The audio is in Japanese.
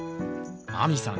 亜美さん